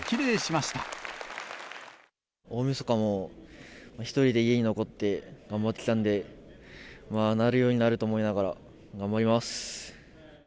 大みそかも、１人で家に残って頑張ってきたんで、なるようになると思いながら、頑張ります。